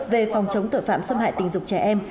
về phòng chống tội phạm xâm hại tình dục trẻ em